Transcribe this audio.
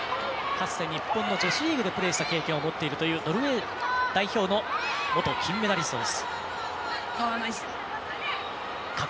日本でプレーした経験を持っているというノルウェー代表の元金メダリストです。